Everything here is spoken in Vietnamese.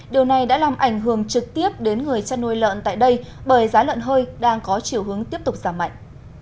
điều này đã làm ảnh hưởng trực tiếp đến người chăn nuôi lợn tại đây bởi giá lợn hơi đang có chiều hướng tiếp tục giảm mạnh